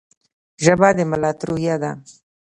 ژبه د ملت روحیه ده.